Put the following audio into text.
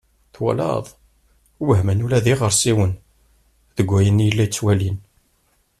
Twalaḍ! Wehmen ula d iɣersiwen deg wayen i la ttwalin.